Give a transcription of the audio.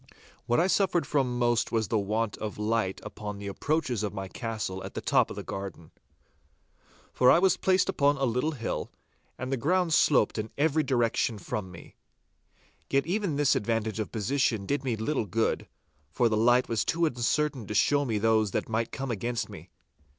What I suffered from most was the want of light upon the approaches of my castle at the top of the garden. For I was placed upon a little hill, and the ground sloped in every direction from me. Yet even this advantage of position did me little good, for the light was too uncertain to show me those that might come against me.